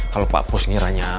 kalau pak bos ngiranya